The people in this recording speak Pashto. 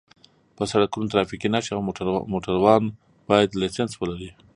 په سرکونو ټرافیکي نښې او موټروان باید لېسنس ولري